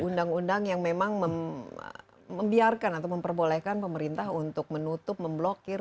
undang undang yang memang membiarkan atau memperbolehkan pemerintah untuk menutup memblokir